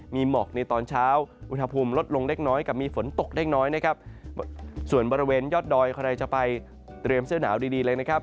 มีหมอกในตอนเช้าอุณหภูมิลดลงเล็กน้อยกับมีฝนตกได้น้อยนะครับส่วนบริเวณยอดดอยใครจะไปเตรียมเสื้อหนาวดีดีเลยนะครับ